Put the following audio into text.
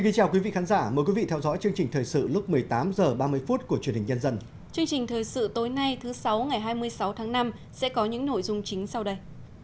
chương trình thời sự tối nay thứ sáu ngày hai mươi sáu tháng năm sẽ có những nội dung chính sau đây